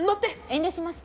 遠慮します。